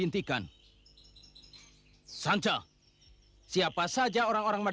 untuk mencari orang orang